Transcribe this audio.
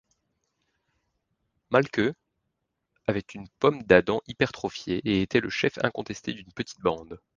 Mahlke avait une pomme d'Adam hypertrophiée et était le chef incontesté d'une petite bande.